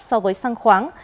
so với xăng khoáng